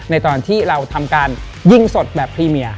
ในตอนที่เราทำการยิงสดแบบพรีเมีย